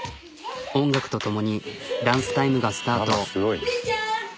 音楽と共にダンスタイムがスタート。